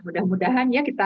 mudah mudahan ya kita